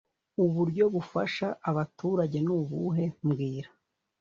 Uburyo bufasha abaturage nubuhe mbwira